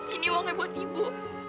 ini uangnya buat ibu